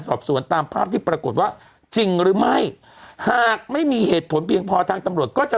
สอบสวนตามภาพที่ปรากฏว่าจริงหรือไม่หากไม่มีเหตุผลเพียงพอทางตำรวจก็จะ